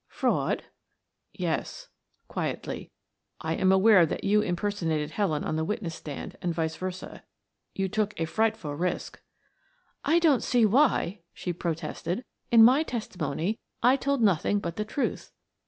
"Fraud?" "Yes," quietly. "I am aware that you impersonated Helen on the witness stand and vice versa. You took a frightful risk." "I don't see why," she protested. "In my testimony I told nothing but the truth."